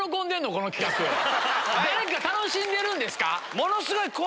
誰か楽しんでるんですか